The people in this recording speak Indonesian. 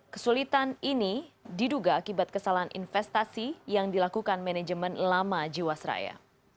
kesulitan ini diduga akibat kesalahan investasi yang dilakukan manajemen lama jiwasraya